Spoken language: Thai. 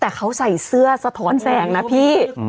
แต่เขาใส่เสื้อสะท้อนแสงนะพี่